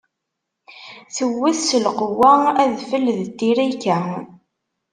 Tewwet s lqewwa, adfel d tiṛika.